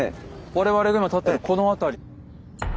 我々が今立ってるこの辺り。